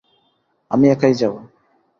আমি একাই যাব।